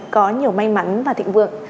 có nhiều may mắn và thịnh vượng